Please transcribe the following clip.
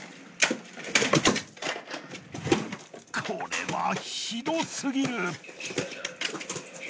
これはひどすぎる。